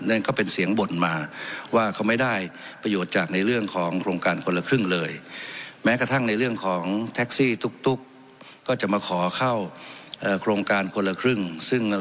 นั่นก็เป็นเสียงบ่นมาว่าเขาไม่ได้ประโยชน์จากในเรื่องของโครงการคนละครึ่งเลย